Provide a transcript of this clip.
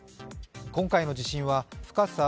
今回の地震は深さ